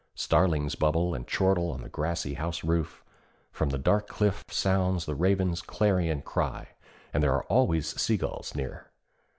Starlings bubble and chortle on the grassy house roof; from the dark cliffs sounds the raven's clarion cry, and there are always sea gulls near.